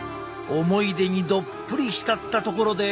思い出にどっぷり浸ったところで。